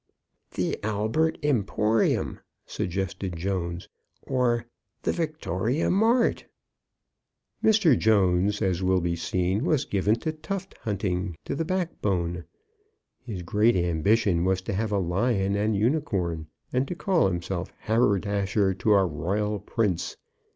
"The 'Albert Emporium,'" suggested Jones; "or 'Victoria Mart.'" Mr. Jones, as will be seen, was given to tuft hunting to the backbone. His great ambition was to have a lion and unicorn, and to call himself haberdasher to a royal prince.